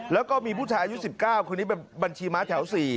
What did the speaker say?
แล้วก็มีผู้ชายอายุ๑๙คนนี้เป็นบัญชีม้าแถว๔